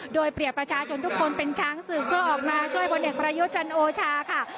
โดยเปรียบประชาชนทุกคนเป็นช้างศึกเพื่อออกมาช่วยพลเอกประยุทธ์จันโอชาค่ะ